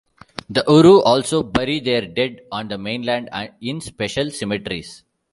The Uru also bury their dead on the mainland in special cemeteries.